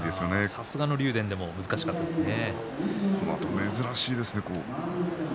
さすがの竜電でも難しいんですね。